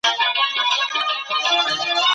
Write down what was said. کله چي مي پلار ږغ وکړ نو ما کتاب واخیست.